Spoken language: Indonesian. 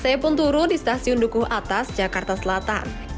saya pun turun di stasiun dukuh atas jakarta selatan